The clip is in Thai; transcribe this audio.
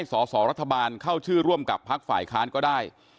สอสอรัฐบาลเข้าชื่อร่วมกับพักฝ่ายค้านก็ได้